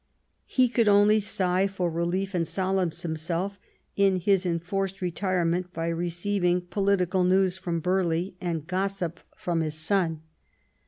He could only sigh for relief and solace himself in his enforced retirement by re ceiving political news from Burghley and gossip from his son.